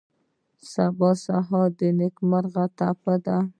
سهار د نیکمرغۍ ټپه ده.